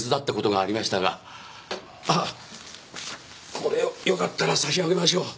これをよかったら差し上げましょう。